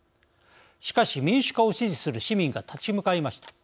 しかし民主化を支持する市民が立ち向かいました。